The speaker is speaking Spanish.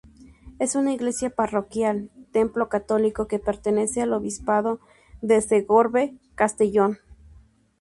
Es una iglesia parroquial, templo católico que pertenece al obispado de Segorbe-Castellón.